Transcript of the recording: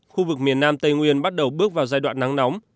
khu vực miền nam tây nguyên bắt đầu bước vào giai đoạn nắng nóng